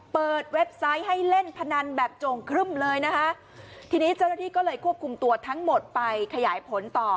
เว็บไซต์ให้เล่นพนันแบบโจ่งครึ่มเลยนะคะทีนี้เจ้าหน้าที่ก็เลยควบคุมตัวทั้งหมดไปขยายผลต่อ